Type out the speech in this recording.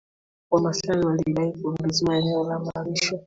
wamaasai walidai kuongezewa eneo la malisho